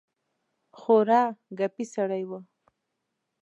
خورا ګپي سړی وو.